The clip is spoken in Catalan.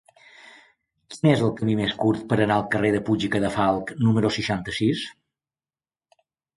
Quin és el camí més curt per anar al carrer de Puig i Cadafalch número seixanta-sis?